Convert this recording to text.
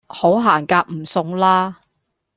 好行夾唔送啦